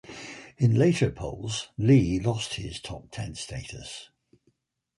In later polls, Lee lost his top ten status.